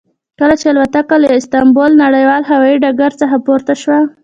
کله چې الوتکه له استانبول نړیوال هوایي ډګر څخه پورته شوه.